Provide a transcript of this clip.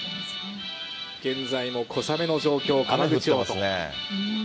現在も小雨の状況、川口オート。